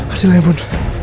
arsila ya ampun